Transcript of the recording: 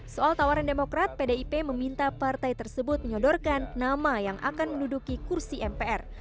soal tawaran demokrat pdip meminta partai tersebut menyodorkan nama yang akan menduduki kursi mpr